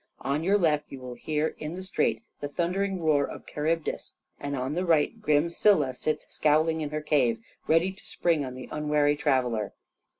On your left, you will hear in the Strait the thundering roar of Charybdis, and on the right grim Scylla sits scowling in her cave ready to spring on the unwary traveler.